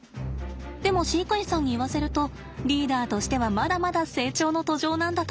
でも飼育員さんに言わせるとリーダーとしてはまだまだ成長の途上なんだとか。